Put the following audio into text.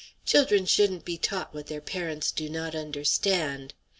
Children shouldn't be taught what their parents do not understand.